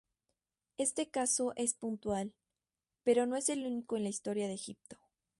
Este caso es puntual, pero no es el único en la historia de Egipto.